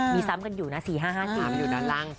มีซ้ำกันอยู่นะ๔๕๕๔